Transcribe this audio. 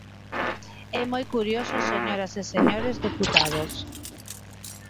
É moi curioso, señoras e señores deputados.